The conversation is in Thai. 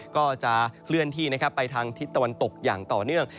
ก็จะเคลื่อนที่ไปทางทิศตะวันตกอย่างต่อเนื่อง